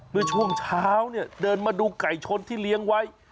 เมื่อช่วงเช้าเนี่ยเดินมาดูไก่ชนที่เลี้ยงไว้